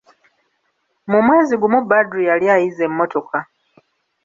Mu mwezi gumu Badru yali ayize emmotoka.